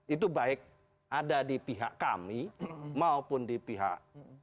itu baik ada di pihak kami maupun di pihak